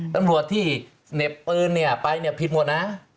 ตำรวจที่เหน็บปืนเนี่ยไปเนี่ยผิดหมดนะ